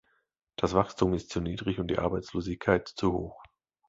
Das Wachstum ist zu niedrig und die Arbeitslosigkeit zu hoch.